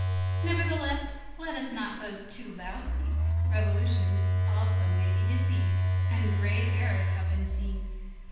Nevertheless, let us not boast too loudly; revolutions also may be deceived, and grave errors have been seen.